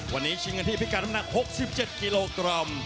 วันนี้ชิงกันที่พิการน้ำหนัก๖๗กิโลกรัม